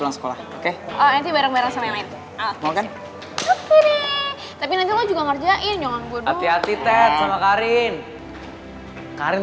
lo semua nyaman